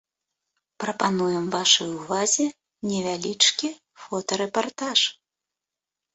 Прапануем вашай увазе невялічкі фотарэпартаж.